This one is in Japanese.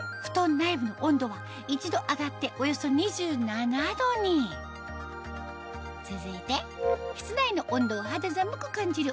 内部の温度は１度上がっておよそ２７度に続いて室内の温度を肌寒く感じる